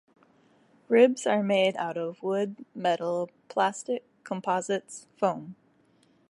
Ribs are made out of wood, metal, plastic, composites, foam.